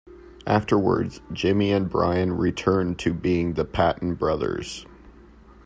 Afterwards, Jimmy and Brian returned to being the Patton Brothers.